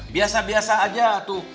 biasa biasa aja tuh